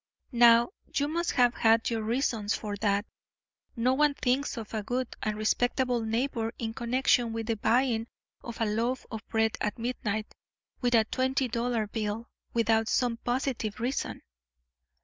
"Now, you must have had your reasons for that. No one thinks of a good and respectable neighbour in connection with the buying of a loaf of bread at midnight with a twenty dollar bill, without some positive reason."